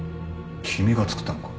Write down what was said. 君が作ったのか？